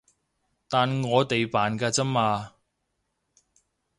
但我哋扮㗎咋嘛